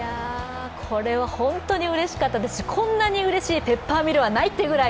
これは本当にうれしかったですし、こんなうれしいペッパーミルはないというくらい。